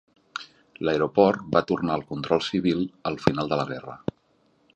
L'aeroport va tornar al control civil al final de la guerra.